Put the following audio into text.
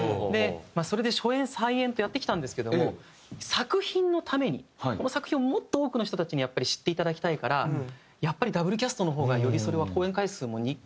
それで初演再演とやってきたんですけども作品のためにこの作品をもっと多くの人たちにやっぱり知っていただきたいからやっぱりＷキャストの方がよりそれは公演回数も。